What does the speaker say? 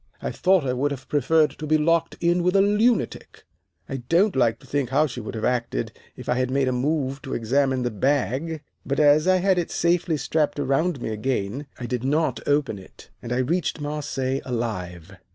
I thought I would have preferred to be locked in with a lunatic. I don't like to think how she would have acted if I had made a move to examine the bag, but as I had it safely strapped around me again, I did not open it, and I reached Marseilles alive.